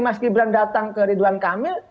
mas gibran datang ke ridwan kamil